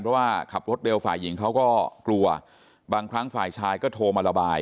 เพราะว่าขับรถเร็วฝ่ายหญิงเขาก็กลัวบางครั้งฝ่ายชายก็โทรมาระบาย